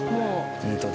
ホントだ。